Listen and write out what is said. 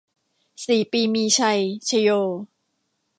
สี่ปีมีชัย ชโย